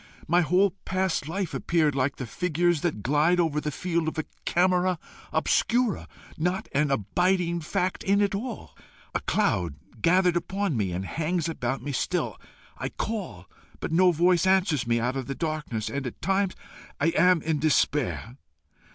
My whole past life appeared like the figures that glide over the field of a camera obscura not an abiding fact in it all. A cloud gathered about me, and hangs about me still. I call, but no voice answers me out of the darkness, and at times I am in despair.